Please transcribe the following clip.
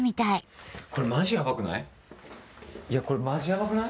これマジやばくない？